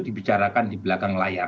dibicarakan di belakang layar